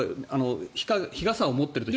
日傘を持っていると。